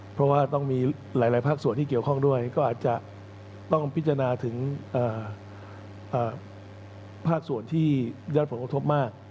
เพราะว่าต้องมีหลายภาคส่วนที่เกี่ยวข้องด้วยก็อาจจะต้องพิจารณาถึงภาคส่วนที่ยอดผลกระทบมาก